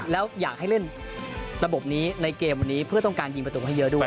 แล้วอยากให้เล่นระบบนี้ในเกมวันนี้เพื่อต้องการยิงประตูให้เยอะด้วย